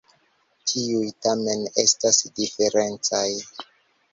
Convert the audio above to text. Tiuj tamen estas diferencaj.